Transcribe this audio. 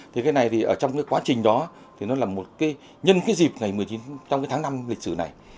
thì cái này thì ở trong cái quá trình đó thì nó là một cái nhân cái dịp ngày một mươi chín trong cái tháng năm lịch sử này